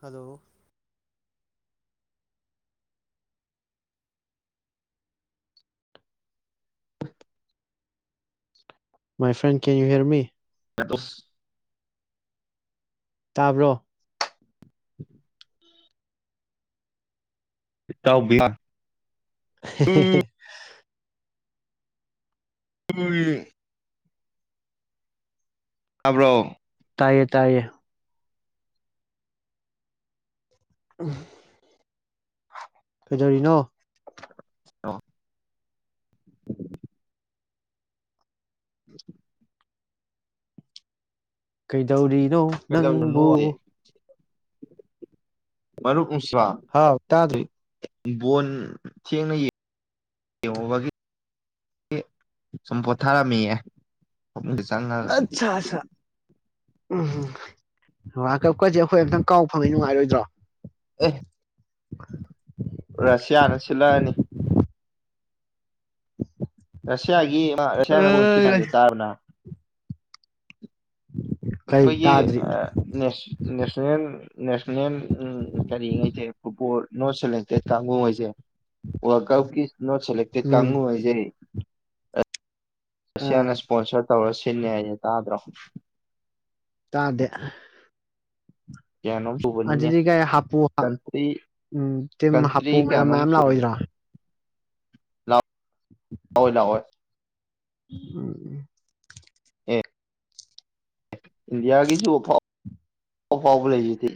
hello my friend can you hear me ꯀ ꯇꯁ ꯇꯥꯕ꯭ꯔꯣ [unintelligible] ꯏꯠꯇꯎꯕꯤꯌꯥ [unintelligible] ꯎ ꯇꯥꯕ꯭ꯔꯣ ꯇꯥꯏꯌꯦ ꯇꯥꯏꯌꯦ ꯀꯩꯗꯔꯤ ꯅ ꯑꯥ ꯎ ꯀꯩꯗꯧꯔꯤ ꯅꯣ ꯀꯩꯗꯧꯔꯤꯅꯣ ꯅꯪꯕꯨꯨ ꯃꯔꯔ ꯎꯁ ꯍꯥꯎ ꯇꯥꯗ꯭ꯔꯣ ꯕꯣꯟ ꯊꯦꯡꯅ ꯌꯦꯡꯉꯕꯒꯤ ꯁꯨꯝ ꯄꯣꯊꯥꯔꯝꯃꯤꯌꯦ ꯆꯪꯉꯒ ꯑꯆꯥ ꯑꯆꯥ ꯎꯝ ꯋꯥꯔꯜ ꯀꯞꯀꯁꯦ ꯑꯩꯈꯣꯏ ꯑꯝꯇꯪ ꯀꯥꯎ ꯐꯪꯉꯤ ꯅꯨꯡꯉꯥꯏꯔꯣꯏꯗ꯭ꯔꯣ ꯑꯦ [unintelligible] ꯔꯁꯤꯌꯥꯅ ꯁꯤꯜꯂꯑꯅꯤ ꯔꯁꯤꯌꯥꯒꯤ ꯑꯃ ꯔꯁꯤꯌꯥ ꯃꯁꯤ ꯇꯥꯕꯅ ꯀꯩ ꯑꯩꯈꯣꯏꯒꯤ ꯇꯥꯗ꯭ꯔꯤ ꯅ ꯅꯦꯁꯅꯦꯜ ꯅꯦꯁꯅꯦ ꯎꯝ ꯀꯔꯤꯉꯩꯁꯦ ꯐꯨꯠꯕꯣꯜ ꯅꯣꯠ ꯁꯦꯂꯦꯛꯇꯦꯠ ꯀꯥꯡꯕꯨ ꯍꯥꯏꯁꯦ ꯋꯥꯔꯜ ꯀꯞꯀꯤ ꯅꯣꯠ ꯁꯦꯂꯦꯛꯇꯦꯠ ꯎꯝ ꯀꯥꯡꯨ ꯍꯥꯏꯁꯦ ꯔꯁꯤꯌꯥ ꯑꯥ ꯅ ꯄꯣꯆꯔꯗ ꯇꯧꯔ ꯁꯤꯜꯂꯦ ꯍꯥꯏꯩꯅ ꯇꯥꯗ꯭ꯔꯣ ꯇꯥꯗꯦ ꯀꯌꯥꯅꯣꯝ ꯁꯨꯕꯅꯤꯅꯦ ꯑꯗꯨꯗꯤ ꯀꯥꯏ ꯍꯥꯄꯨ ꯀꯟꯇ꯭ꯔꯤ ꯎꯝ ꯇꯤꯝ ꯀꯟꯇ꯭ꯔꯤ ꯍꯥꯄꯨ ꯃꯌꯥꯝ ꯀꯌꯥꯅꯣꯝ ꯃꯌꯥꯝ ꯁꯨꯝ ꯂꯥꯛꯑꯣꯏꯗ꯭ꯔꯥ ꯂꯥꯛꯑꯣ ꯂꯥꯛꯑꯣ ꯎꯝ ꯎ ꯏꯟꯗꯤꯌꯥꯒꯤꯁꯨꯐꯥꯎꯐꯥꯎꯕ ꯂꯩꯖꯦ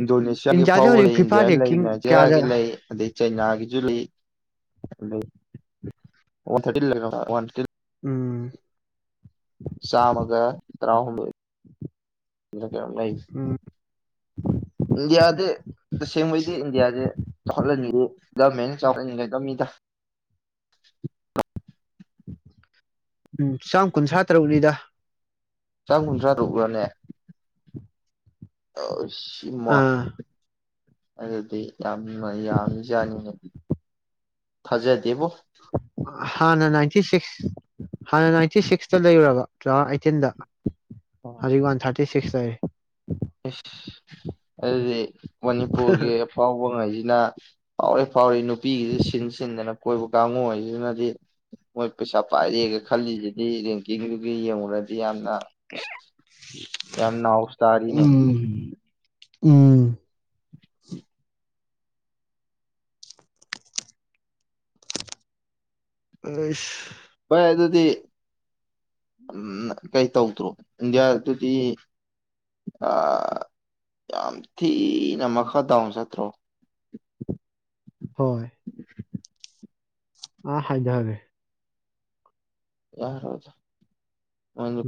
ꯏꯟꯗꯣꯅꯦꯁꯤꯌꯥꯒꯤ ꯏꯟꯗꯤꯌꯥꯁꯦ ꯐꯥꯎꯕ ꯍꯧꯖꯤꯛ ꯂꯩ ꯐꯤꯐꯥ ꯏꯟꯗꯤꯌꯥꯒꯤ ꯂꯩ ꯔꯦꯡꯀꯤꯡ ꯀꯌꯥꯗ ꯅꯥꯖꯌꯥꯒꯤ ꯂꯩ ꯑꯗꯩ ꯆꯩꯅꯥꯒꯤꯁꯨ ꯂꯩ ꯑ ꯋꯥ ꯊꯥꯔꯇꯤ ꯋꯥ ꯊꯥꯔꯇ ꯎꯝ ꯆꯥꯝꯃꯒ ꯇꯔꯥꯍꯨꯝꯗꯣꯏ ꯂꯩ ꯎꯝ ꯏꯟꯗꯤꯌꯥꯁꯦ ꯇꯁꯦꯡꯕꯩꯗꯤ ꯏꯟꯗꯤꯌꯥꯁꯦ ꯆꯥꯎꯈꯠꯍꯟꯉꯦ ꯗꯃꯦꯅꯤ ꯆꯥꯎ ꯀꯗ ꯃꯤꯗ ꯎꯝ ꯆꯥꯝ ꯀꯨꯟꯊ꯭ꯔꯥ ꯇꯔꯨꯛꯅꯤꯗ ꯆꯝ ꯀꯨꯟꯊ꯭ꯔꯥ ꯇꯕ꯭ꯔꯥꯅꯦ ꯑ ꯃ ꯑꯥ ꯑꯗꯨꯗꯤ ꯌꯥꯝ ꯌꯥꯝ ꯌꯥꯅꯤꯡ ꯊꯥꯖꯗꯦꯕꯣ ꯍꯥꯟꯅ ꯅꯥꯏꯟꯇꯤ ꯁꯤꯛꯁ ꯍꯥꯟꯅ ꯅꯥꯏꯟꯇꯤ ꯁꯤꯛꯁꯇ ꯂꯩꯔꯨꯔꯕ ꯇꯨ ꯊꯥꯎꯖꯟ ꯑꯩꯥꯏꯠꯇꯤꯟꯗ ꯍꯧ ꯋꯥ ꯊꯥꯔꯇꯤ ꯁꯤ ꯁꯤꯁ ꯇꯔꯦ ꯏꯁꯁ ꯑꯗꯨꯗꯤ ꯃꯅꯤꯄꯨꯔꯒꯤ ꯑꯐꯥꯎꯕꯉꯩꯁꯤꯅ ꯐꯥꯎꯔ ꯐꯥꯎꯔ ꯅꯨꯄꯤꯒꯤꯁꯨ ꯁꯤꯟ ꯁꯤꯟꯗꯅ ꯀꯣꯏꯕ ꯀꯥꯡꯉꯨꯁꯤꯅꯗꯤ ꯃꯣꯏ ꯄꯩꯁꯥ ꯄꯥꯏꯔꯦꯒ ꯈꯜꯂꯤꯁꯤꯗꯤ ꯔꯦꯡꯀꯤꯡꯗꯨꯒꯤ ꯌꯦꯡꯉꯨꯔꯗꯤ ꯌꯥꯝꯅ ꯌꯥꯝꯅ ꯑꯥꯎꯁ ꯇꯔꯤꯦ ꯎꯝ ꯎꯝ ꯑꯁ ꯣꯏ ꯑꯗꯨꯗꯤ ꯀꯩ ꯇꯧꯗ꯭ꯔꯣ ꯏꯟꯗꯤꯌꯥꯗꯨꯗꯤ ꯌꯥꯝ ꯊꯤꯅ ꯃꯈꯥ ꯗꯥꯎꯟ ꯆꯠꯇ꯭ꯔꯣ ꯑꯥ ꯍꯥꯏꯗꯒꯦ ꯌꯥꯔꯣꯖ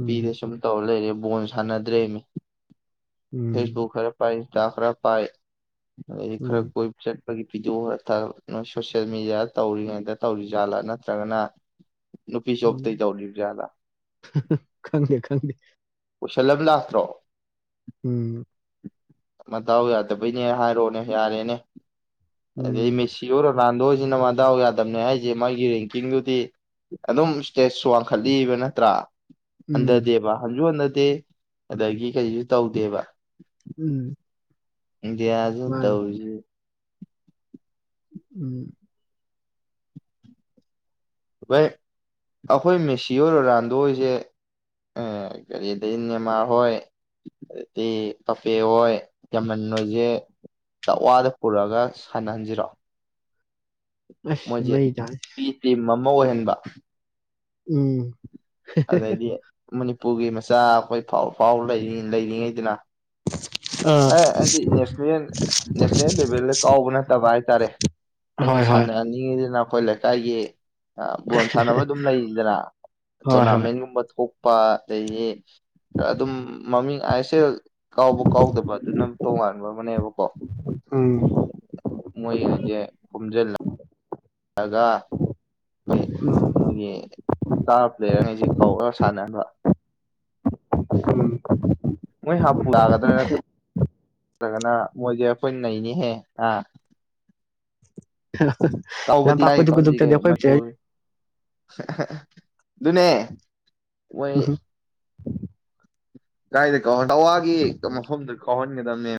ꯎꯝ ꯇꯧꯂ ꯕꯣꯜ ꯁꯥꯟꯅꯗ꯭ꯔꯦꯃꯤ ꯍꯦ ꯎꯝ ꯍꯣ ꯈꯔꯞ ꯄꯥꯏ ꯈ꯭ꯔ ꯄꯥꯏ ꯈꯔ ꯎꯝ ꯀꯣꯏ ꯆ ꯑꯩꯈꯣꯏꯒꯤ ꯚꯤꯗꯤꯑꯣ ꯈꯔ ꯅꯣꯏ ꯁꯣꯁꯤꯦꯜ ꯃꯦꯗꯤꯌꯥꯗ ꯇꯧꯔꯤꯉꯩꯗ ꯇꯧꯔꯤꯖꯥꯠꯂꯥ ꯅꯠꯇ꯭ꯔꯒꯅ ꯅꯨꯄꯤ ꯎꯝ ꯖꯣꯕꯇꯩ ꯇꯧꯔꯤꯕꯖꯥꯠꯂꯥ ꯈꯪꯉꯦ ꯈꯪꯉꯦ ꯎꯁꯜꯂꯕ ꯂꯥꯁꯇ꯭ꯔꯣ ꯎꯝ ꯃꯇꯥꯎ ꯌꯥꯗꯕꯩꯅꯦ ꯍꯥꯏꯔꯛꯑꯣꯅꯦ ꯌꯥꯔꯦꯅꯦ ꯑꯗ ꯎꯝ ꯃꯦꯁꯤꯔ ꯔꯣꯔꯅꯥꯟꯗꯣꯁꯤꯅ ꯃꯗꯥꯎ ꯌꯥꯗꯕꯅꯦ ꯍꯥꯏꯁꯦ ꯃꯥꯒꯤ ꯔꯦꯡꯀꯤꯡꯗꯨꯗꯤ ꯑꯗꯨꯝ ꯏꯁꯇꯦꯖꯁꯨ ꯋꯥꯡꯈꯠꯂꯤꯕ ꯅꯠꯇ꯭ꯔꯥ ꯎꯝ ꯍꯟꯗ ꯗꯦꯕ ꯌꯣꯅꯠ ꯇꯦ ꯑꯗꯒꯤ ꯀꯩꯁꯨ ꯇꯧꯗꯦꯕ ꯎꯝ ꯗꯤꯌꯥꯁꯨ ꯃꯥꯅꯤ ꯇꯧꯔꯤꯖꯕꯨ ꯎꯝ ꯅꯥꯏ ꯑꯩꯈꯣꯏ ꯃꯦꯁꯤ ꯑꯣꯏꯔꯣ ꯔꯥꯟꯗꯣ ꯍꯣꯏꯁꯦ ꯀꯔꯤꯗꯩ ꯅꯦꯃꯥꯔ ꯍꯣꯏ ꯑꯗꯩ ꯄꯄꯦ ꯍꯣꯏ ꯌꯥꯝꯅ ꯍꯣꯏꯁꯦ ꯇꯛꯋꯥꯗ ꯄꯨꯔꯛꯑꯒ ꯁꯥꯟꯅꯍꯟꯁꯤꯔꯣ ꯑꯁ ꯃꯣꯏꯖ ꯃꯩ ꯇꯥꯏ ꯇꯔꯝ ꯑꯃ ꯑꯃ ꯑꯣꯏꯍꯟꯕ ꯎꯝ ꯑꯗꯗꯤ ꯃꯅꯤ ꯄꯨꯒꯤ ꯃꯆꯥ ꯑꯩꯈꯣꯏ ꯐꯥꯎ ꯐꯥꯎꯔꯤ ꯂꯩꯔꯤꯉꯩꯗꯅ ꯑꯥ ꯑꯦ ꯑꯩꯗꯤ ꯅꯦꯁꯅꯦ ꯅꯦꯁꯅꯦꯜ ꯂꯦꯚꯦꯜꯗ ꯀꯥꯎꯕ ꯅꯠꯇꯕ ꯍꯥꯏꯇꯥꯔꯦ ꯑꯩꯅ ꯍꯣꯏ ꯍꯣꯏ ꯁꯥꯟꯅꯍꯅꯤꯡꯉꯤꯗꯅ ꯑꯩꯈꯣꯏ ꯂꯩꯀꯥꯏꯒꯤ ꯕꯣꯜ ꯁꯥꯟꯅꯕ ꯑꯗꯨꯝ ꯂꯩꯗꯅ ꯍꯣꯏ ꯍꯣꯏ ꯇꯣꯔꯅꯥꯃꯦꯟꯒꯨꯝꯕ ꯊꯣꯛ ꯄꯥ ꯑꯗꯒꯤ ꯑꯗꯨꯝ ꯃꯃꯤꯡ ꯑꯁꯦꯜ ꯀꯥꯎꯕꯨ ꯀꯥꯎꯗꯕ ꯑꯗꯨꯅ ꯇꯣꯉꯥꯟꯕ ꯑꯃꯅꯦꯕꯀꯣ ꯎꯝ ꯃꯣꯏꯉꯩꯁꯦ ꯈꯣꯝꯖꯤꯜ ꯂꯒꯥ ꯑꯩꯏ ꯃꯣꯏꯒꯤ ꯏꯁꯇꯥꯔ ꯄ꯭ꯂꯦꯌꯔꯉꯩꯁꯤ ꯀꯧꯔꯒ ꯁꯥꯟꯅꯍꯟꯕ ꯎꯝ ꯃꯣꯏ ꯍꯥꯞꯄꯨꯒꯗ ꯒꯅ ꯃꯣꯏꯦ ꯑꯩꯏ ꯅꯩꯅꯏꯅꯤ ꯍꯦꯍꯥ [inaudible] ꯀꯥꯎꯕꯨꯕꯗꯤ ꯂꯝꯄꯥꯛ ꯇꯥꯏꯌꯦꯛ ꯈꯨꯗꯤꯛ ꯈꯪꯗꯦ ꯈꯨꯗꯤꯛꯇꯗꯤ ꯑꯩꯈꯣꯏ ꯃꯅꯤꯄꯨꯔ ꯄ꯭ꯂꯦꯌꯔ ꯑꯗꯨꯅꯦ ꯃꯣꯏ ꯀꯥꯏꯗ ꯠꯑꯋꯥꯒꯤ ꯃꯐꯝꯗ ꯀꯧꯍꯟ ꯈꯟꯒ ꯃꯦ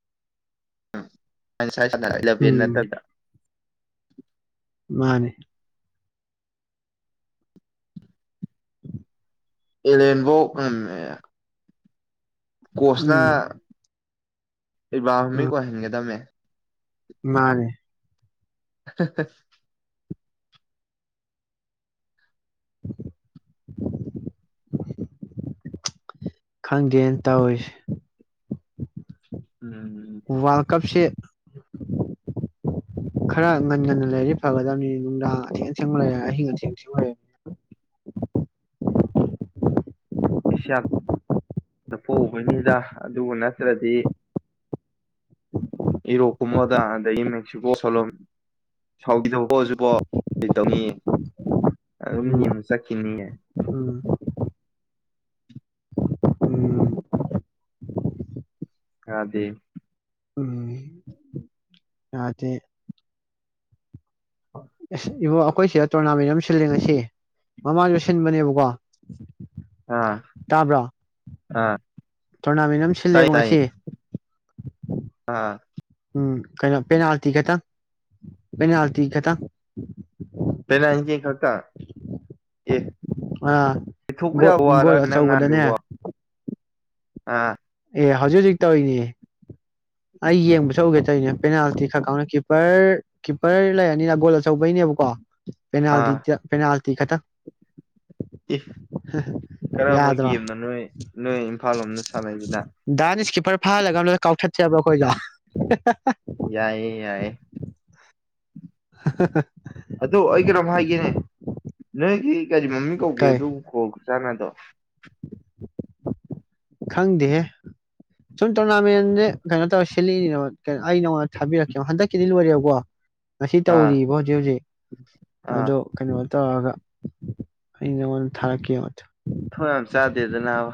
ꯎꯝ ꯄꯁꯕꯅꯠꯇꯗ ꯃꯥꯅꯦ ꯎꯝ ꯑꯦꯂꯦꯟꯕꯣ ꯎ ꯀꯣꯁꯅꯥ ꯎꯝ ꯑꯩꯕꯥꯕꯥꯃꯤ ꯀꯍꯦꯟꯒꯦꯗꯃꯦ ꯃꯥꯅꯦꯦ [unintelligible] ꯑꯣꯦ ꯈꯪꯗꯦꯅ ꯇꯧꯔꯤꯁꯦ ꯎꯝꯝ ꯎꯝ ꯋꯥꯔꯜ ꯀꯞꯁꯦ ꯈꯔ ꯉꯟꯅ ꯉꯟꯅ ꯂꯩꯔꯗꯤ ꯐꯒꯗꯕꯅꯤꯅ ꯅꯨꯡꯗꯥꯡ ꯑꯊꯦꯡ ꯑꯊꯦꯡꯕ ꯂꯩꯔꯦ ꯑꯍꯤꯡ ꯑꯊꯦꯡ ꯑꯊꯦꯡ ꯂꯩꯔꯕꯅꯤ ꯑꯦꯁꯤꯌꯥ ꯄꯣꯛꯕꯅꯤꯗ ꯑꯗꯨ ꯅꯠꯇ꯭ꯔꯗꯤ ꯏꯔꯣꯛꯀꯨꯝꯕꯗ ꯑꯗꯒꯤ ꯃꯦꯛꯁꯤꯀꯣ ꯁꯣꯂꯨꯝ ꯁꯥꯎꯒꯤꯗꯖꯤꯕꯣ ꯀ ꯇꯧꯉ ꯑꯗꯨ ꯎꯝ ꯌ ꯆꯀꯤꯅꯤ ꯍꯥꯏ ꯎꯝ ꯎꯝ ꯑꯗꯗꯤ ꯑꯗꯤꯦ ꯑꯩꯈꯣꯏ ꯁꯤꯗ ꯇꯣꯔꯅꯥꯃꯦꯟ ꯑꯃ ꯁꯤꯜꯂꯦ ꯉꯁꯤ ꯃꯃꯥꯡꯗ ꯁꯤꯟꯕꯅꯦꯕꯀꯣ ꯑꯥ ꯇꯥꯕ꯭ꯔꯣ ꯑꯥ ꯇꯣꯔꯅꯥꯃꯦꯟ ꯑꯃ ꯇꯥꯏ ꯁꯤꯜꯂꯦꯕ ꯇꯥꯏ ꯉꯁꯤ ꯑꯥ ꯎꯝ ꯀꯩꯅꯣ ꯄꯦꯅꯥꯜꯇꯤ ꯈꯇꯪ ꯀꯩꯅꯩꯅ ꯍꯜꯇ ꯀ ꯇ ꯄꯦꯅꯥ ꯏꯟꯆꯦ ꯈꯛꯇꯪ ꯑꯦ ꯑꯥ ꯄꯊꯣꯛꯄ ꯌꯥ ꯒꯣꯜ ꯋꯥꯔ ꯒꯣꯜ ꯅꯪ ꯑꯆꯧꯕꯗꯅꯦ ꯉꯥꯟꯂꯕ ꯑꯥ ꯑꯦ ꯍꯧꯖꯤꯛ ꯍꯧꯖꯤꯛ ꯇꯧꯔꯤꯅꯦ ꯑꯩ ꯌꯦꯡꯕꯁꯨ ꯎꯒꯦ ꯇꯧꯔꯤꯅꯦ ꯄꯦꯅꯥꯜꯇꯤ ꯈꯔ ꯈꯥꯎꯅ ꯀꯤꯞꯄꯔ ꯀꯤꯞꯄꯔ ꯂꯩꯔꯅꯤꯅ ꯒꯣꯜ ꯑꯆꯧꯕꯩꯅꯦꯕꯀꯣ ꯑꯥ ꯄꯦꯅꯥꯇ ꯄꯦꯅꯥꯜꯇꯤ ꯈꯇꯪ ꯏ ꯀꯔꯝꯕ ꯌꯥꯗ ꯔꯣ ꯒꯦꯝꯅꯣ ꯅꯣꯏ ꯅꯣꯏ ꯏꯝꯐꯥꯜ ꯂꯣꯝꯗ ꯁꯥꯟꯅꯩꯁꯤꯅ ꯗꯅꯤꯁꯀꯤ ꯔ ꯐꯥ ꯂ ꯀꯥꯎ ꯆꯦꯕ ꯑꯩꯈꯣꯏꯒ ꯌꯥꯏꯌꯦ ꯌꯥꯏꯌꯦ [unintelligible] ꯑꯗꯨ ꯑꯩ ꯀꯩꯅꯣꯝ ꯍꯥꯏꯒꯦꯅꯦ ꯅꯣꯏꯒꯤ ꯀꯔꯤ ꯃꯃꯤ ꯀꯧꯒꯦ ꯀꯩ ꯑꯗꯨꯕꯨ ꯀ ꯆꯅꯗꯣ ꯈꯪꯗꯦ ꯁꯨꯝ ꯇꯣꯔꯅꯥꯃꯦꯟꯁꯦ ꯀꯩꯅꯣ ꯇꯧꯔ ꯁꯤꯂꯛꯏꯅ ꯀꯣ ꯑꯩ ꯅꯉꯣꯟꯗ ꯊꯥꯕꯤꯔꯛꯀꯦ ꯍꯟꯗꯛꯀꯤꯗꯤ ꯂꯣꯏꯔꯦꯕꯀꯣ ꯉ ꯑꯥ ꯇꯧꯔꯤꯕ ꯍꯧꯖꯤꯛ ꯍꯧꯖꯤꯛ ꯑꯥ ꯑꯗꯣ ꯀꯩꯅꯣ ꯇꯧꯔꯒ ꯑꯩ ꯅꯉꯣꯟꯗ ꯊꯥꯔꯛꯀꯦ ꯃ ꯊꯣꯏ ꯌꯥꯝ ꯆꯥꯗꯦꯗ ꯅꯅꯥꯕ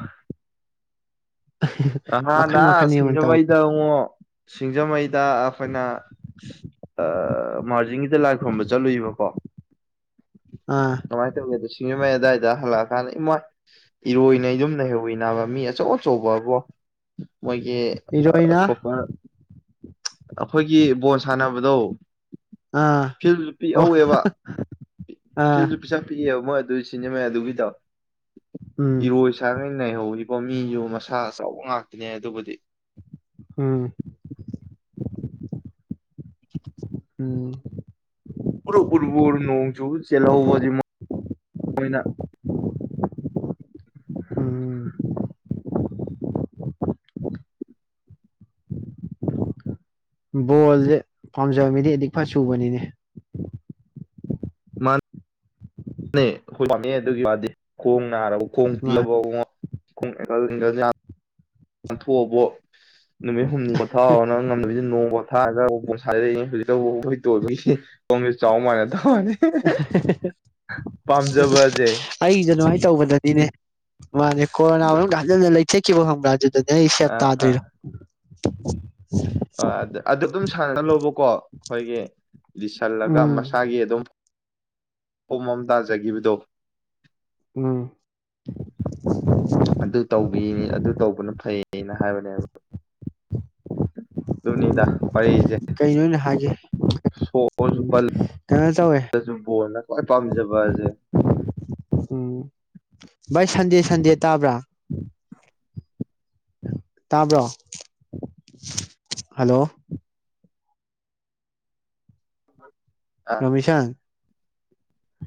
ꯃꯈꯟ ꯍꯍꯥꯟꯅ ꯃꯈꯟ ꯌꯦꯡꯉꯣ ꯇꯧꯔꯤ ꯁꯤꯡꯖꯃꯩꯗ ꯑꯃꯨꯛ ꯁꯤꯡꯖꯃꯩꯗ ꯑꯩꯈꯣꯏꯅ ꯃꯥꯔꯖꯤꯤꯡꯒꯤꯗ ꯂꯥꯏ ꯈꯨꯔꯨꯝꯕ ꯆꯠꯂꯨꯏꯕꯀꯣ ꯑꯥ ꯃꯥꯏ ꯀꯒ ꯁꯤꯅꯦꯃ ꯌꯥꯗꯏꯗ ꯍꯜꯂꯥꯛ ꯀꯗ ꯏꯃꯣꯏ ꯏꯔꯣꯏꯅ ꯌꯨꯝꯅ ꯍꯧꯏꯕ ꯃꯤ ꯑꯆꯧ ꯁꯣ ꯋꯥ ꯋꯥ ꯃꯣꯏꯒꯤ ꯏꯔꯣꯏꯅ ꯁꯄꯣꯀꯔ ꯑꯩꯈꯣꯏꯒꯤ ꯕꯣꯜ ꯁꯥꯟꯅꯕꯗꯣ ꯑꯥ ꯐꯤꯜꯁꯨ ꯑꯣ ꯄꯤꯛꯍꯧꯋꯦꯕ ꯑꯥ ꯐꯤꯜꯁꯨ ꯄꯩꯁꯥ ꯄꯤꯛꯑꯦꯕ ꯃꯣꯏ ꯑꯗꯨꯏꯁ ꯁꯤ ꯃ ꯑꯗꯨꯕꯤꯗ ꯎꯝ ꯏꯔꯣꯏꯁ ꯅꯩꯍꯧꯔꯤꯕ ꯃꯤꯁꯨ ꯃꯁꯥ ꯑꯆꯕ ꯉꯥꯛꯇꯅꯦ ꯑꯗꯨꯕꯨꯗꯤ ꯎꯝ ꯎꯝ ꯎ ꯎꯔ ꯅꯣꯡꯁꯨꯨ ꯆꯦꯜꯍꯧꯕꯁꯤꯅ ꯎꯝ [unintelligible] ꯕꯣꯜꯁꯦ ꯄꯥꯝꯖꯕ ꯃꯤꯗꯤ ꯑꯗꯨꯛ ꯐ ꯁꯨꯕꯅꯤꯅꯦ ꯃꯥꯅ ꯍꯣꯏ ꯄꯥꯝꯃꯦ ꯑꯗꯨꯒꯤ ꯋꯥꯗꯤ ꯈꯣꯡ ꯅꯥꯔ ꯃꯥꯅꯦ ꯀꯣꯣꯡꯇꯕ ꯨꯡ ꯉꯟꯊꯣꯛꯑꯕ ꯅꯨꯃꯤꯠ ꯍꯨꯝꯅꯤ ꯄꯊꯥꯔꯅ ꯉꯝꯅꯕꯤꯁꯤ ꯅꯣꯡ ꯊꯥꯔꯒ ꯄꯣꯣꯟ ꯁꯥꯗꯔꯛꯑꯏꯦ ꯍꯧꯖꯤꯛ ꯇꯧꯕ ꯑꯩꯈꯣꯏ ꯇꯣꯜꯕꯒꯤ ꯆꯥꯎ ꯃꯥꯟꯅ ꯇꯧꯅꯤ ꯄꯥꯝꯖꯕꯁꯦ ꯇꯧꯕꯗꯗꯤꯅꯦ ꯃꯥꯅꯦ ꯀ ꯀꯣꯔꯣꯅꯥꯗ ꯂꯩ ꯊꯦꯛꯈꯤꯕꯣꯝ ꯑꯗꯨ ꯅ ꯏꯁꯦꯞ ꯇꯥꯗ꯭ꯣꯏꯔꯣ [unintelligible] ꯑ ꯑꯗꯨ ꯑꯗꯨꯝ ꯁꯥꯟꯅ ꯂꯣꯕꯀꯣ ꯍꯣꯏꯒꯤ ꯂꯤꯁꯜꯂꯒ ꯎꯝ ꯃꯁꯥꯒꯤ ꯑꯗꯨꯝ ꯑꯣꯃꯝ ꯇꯥꯖꯈꯤꯕꯗꯣ ꯎꯝ ꯑꯗꯨ ꯇꯧꯕꯤꯅꯤ ꯑꯗꯨ ꯇꯧꯕꯅ ꯐꯩꯅ ꯍꯥꯏꯕꯅꯦꯕ ꯑꯗꯨꯅꯤꯗ ꯎꯝ ꯑꯩꯁꯦ ꯀꯩꯅꯣ ꯑꯩꯅ ꯍꯥꯏꯒꯦ ꯁꯣꯔꯁꯨ ꯎꯝ ꯄꯜꯂ ꯀꯩꯅꯣ ꯇꯧꯋꯦ ꯣꯅ ꯈ꯭ꯋꯥꯏ ꯄꯥꯝꯖꯕ ꯑꯁꯦ ꯎꯝ ꯚꯥꯏ ꯁꯟꯗꯦ ꯁꯟꯗꯦ ꯇꯥꯕ꯭ꯔꯥ ꯇꯥꯕ꯭ꯔꯣ ꯍꯜꯂꯣ ꯎ ꯔꯃꯤꯁꯥꯟ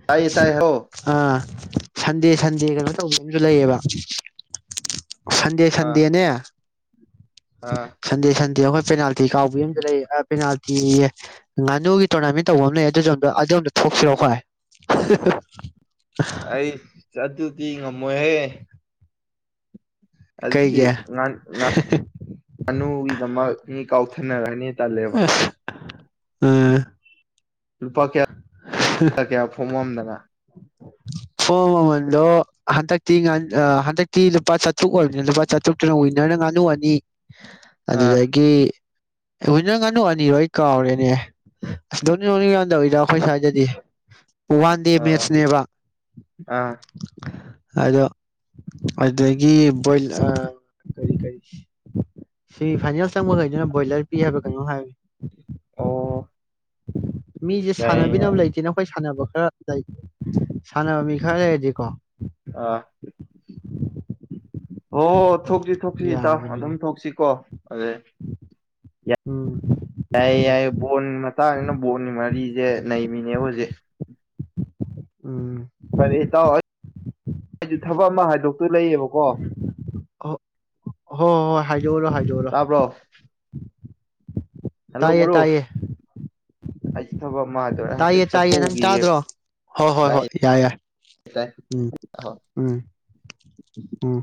ꯇꯥꯏꯌꯦ ꯇꯥꯏ ꯍꯥꯏꯔꯛꯑꯣ ꯑꯥ ꯁꯟꯗꯦ ꯁꯟꯗꯦ ꯀꯩꯅꯣ ꯇꯧꯕ ꯑꯃꯁꯨ ꯂꯩꯌꯦꯕ ꯁꯟꯗꯦ ꯑꯥ ꯁꯟꯗꯦꯅꯦ ꯑꯥ ꯁꯟꯗꯦ ꯁꯟꯗꯦ ꯑꯩꯈꯣꯏ ꯄꯦꯅꯥꯜꯇꯤ ꯀꯥꯎꯕ ꯑꯃꯁꯨ ꯂꯩ ꯄꯦꯅꯥꯜꯇꯤ ꯏ ꯉꯥꯟ ꯍꯒ ꯇꯣꯅ ꯃꯤ ꯟꯅ ꯑꯦ ꯑꯗꯨꯣ ꯑꯗꯨ ꯊꯣꯛꯣꯛꯁꯤꯔꯀꯥꯏ ꯑꯩ ꯆ ꯑꯗꯨ [unintelligible] ꯃꯑꯦ ꯑꯗꯨꯗꯤ ꯀꯩꯒꯤ ꯉꯥꯟ ꯉꯥꯅꯨꯒꯤꯗꯃ ꯃꯤ ꯀꯥꯎꯊ ꯅꯒꯥꯅꯤ ꯇꯜꯂꯦꯕ ꯑ ꯂꯨꯄꯥ ꯀꯌꯥ ꯀꯌꯥ ꯐꯣꯡꯃꯝꯗꯅ ꯐꯣꯝ ꯃꯃꯜꯗꯣ ꯍꯟꯗꯛꯇꯤ ꯍꯟꯗꯛꯇꯤ ꯂꯨꯄꯥ ꯆꯥꯇ꯭ꯔꯨꯛ ꯑꯣꯏꯕꯅꯤꯅ ꯂꯨꯄꯥ ꯆꯥꯇ꯭ꯔꯨꯛꯇꯅ ꯋꯤꯟꯅꯔꯅ ꯉꯥꯅꯨ ꯑꯅꯤ ꯑꯥ ꯑꯗꯨꯗꯒꯤ ꯍꯣꯏ ꯅꯪ ꯉꯥꯅꯨ ꯑꯅꯤꯔꯣꯏ ꯀꯥꯎꯔꯦꯅꯦ ꯑꯁ ꯅꯗꯧꯔ ꯑꯩꯈꯣꯏ ꯁ꯭ꯋꯥꯏꯗ [unintelligible] ꯑꯦ ꯋꯥꯟ ꯗꯦ ꯑꯥ ꯃꯦꯠꯆꯅꯦꯕ ꯑꯥ ꯑꯗꯣ ꯑꯗꯨꯗꯒꯤ ꯀꯔꯤ ꯀꯔꯤ ꯁꯤ ꯐꯥꯏꯅꯦꯜ ꯆꯪꯕꯈꯩꯗꯨꯅ ꯕꯣꯏꯂꯔ ꯄꯤ ꯍꯥꯏꯕ ꯀꯩꯅꯣꯝ ꯍꯥꯏꯕꯅꯤ ꯑꯣ ꯎ ꯃꯤꯁꯦ ꯌꯥꯏ ꯌꯥꯏ ꯁꯥꯟꯕꯤꯅꯕ ꯂꯩꯇꯦ ꯁꯥꯟꯅꯕ ꯈꯔ ꯂꯩ ꯁꯥꯟꯅꯕ ꯃꯤ ꯈꯔ ꯂꯩꯔꯗꯤꯀꯣ ꯑꯥ ꯍꯣ ꯊꯣꯛꯁꯤ ꯊꯣꯛꯁꯤ ꯏꯇꯥꯎ ꯑꯗꯨꯝ ꯌꯥꯕꯅꯤꯅꯦ ꯊꯣꯛꯁꯤ ꯀꯣ ꯑꯗꯦ ꯎꯝ ꯌꯥꯏꯌꯦ ꯎꯝ ꯌꯥꯏꯌꯦ ꯕꯣꯟ ꯃꯇꯥꯡꯁꯤꯅ ꯕꯣꯟꯒꯤ ꯃꯔꯤꯁꯦ ꯅꯩꯃꯤꯅꯦ ꯍꯧꯖꯤꯛ ꯎꯝ ꯐꯔꯦ ꯏꯇꯥꯎ ꯑꯩꯁꯨ ꯊꯕꯛ ꯑꯃ ꯍꯥꯏꯗꯣꯛꯇꯨ ꯂꯩꯌꯦꯕꯀꯣ ꯍ ꯍꯣꯍꯣꯍꯣ ꯍꯥꯏ ꯗꯣꯎꯔꯣ ꯍꯥꯢꯗꯣꯎꯔꯣ ꯇꯥꯕ꯭ꯔꯣ ꯍꯜꯂꯣ ꯃꯔꯨꯞ ꯇꯥꯏꯌꯦ ꯑꯩ ꯊꯕꯛ ꯑꯃ ꯍꯥꯏꯗꯣꯔꯦ ꯍꯥꯏꯐꯦꯠ ꯇꯥꯏꯌꯦ ꯇꯥꯏꯌꯦ ꯅꯪ ꯆꯠꯊꯣꯛꯎꯈꯤꯒꯦ ꯇꯥꯗ꯭ꯔꯣ ꯍꯣꯏ ꯍꯣꯏ ꯇꯥꯏ ꯍꯣꯏ ꯌꯥꯏ ꯌꯥꯏ ꯇꯥꯏ ꯎꯝ ꯎꯝ ꯎꯝ